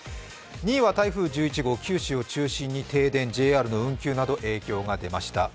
２位は台風１１号、九州を中心に停電、ＪＲの運休など影響が出ました。